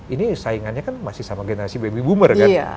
ini saingannya kan masih sama generasi baby boomer kan